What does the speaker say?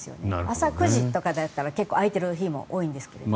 朝９時とかだったら結構空いている日も多いんですけどね。